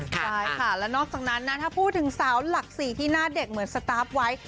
ใช่ค่ะแล้วนอกจากนั้นนะถ้าพูดถึงสาวหลัก๔ที่หน้าเด็กเหมือนสตาร์ฟไว้